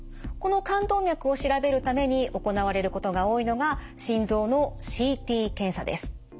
この冠動脈を調べるために行われることが多いのが心臓のＣＴ検査です。